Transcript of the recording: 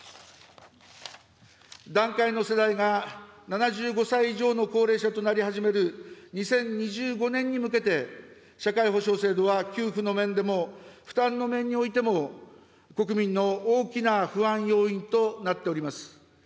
団塊の世代が７５歳以上の高齢者となり始める２０２５年に向けて、社会保障制度は給付の面でも負担の面においても、国民の大きな不安要因となっております。